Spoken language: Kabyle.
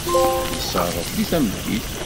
Ad iṣṣer Ṛebbi tameddit!